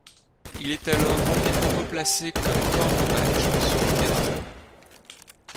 Il est alors rapidement replacé comme cornerback sur le terrain.